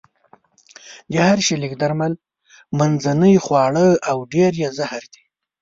د هر شي لږ درمل، منځنۍ خواړه او ډېر يې زهر دي.